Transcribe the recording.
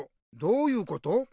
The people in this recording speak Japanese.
「どういうこと？」。